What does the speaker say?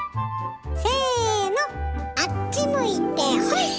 せのあっち向いてホイ！